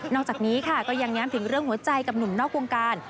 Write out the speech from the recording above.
จากนี้ค่ะก็ยังแง้มถึงเรื่องหัวใจกับหนุ่มนอกวงการ